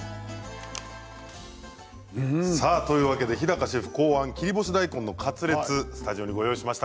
日高シェフ考案切り干し大根のカツレツスタジオにご用意しました。